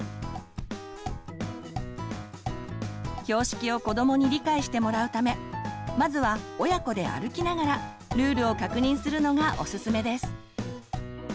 標識を子どもに理解してもらうためまずは親子で歩きながらルールを確認するのがオススメです。